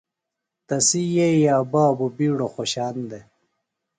تسی یئیے بابوۡ بِیڈہ خوۡشان دےۡ۔